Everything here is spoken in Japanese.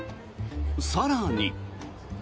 更に。